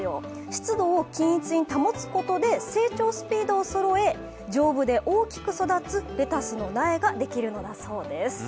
湿度を均一に保つことで、成長スピードをそろえ、丈夫で大きく育つレタスの苗ができるのだそうです。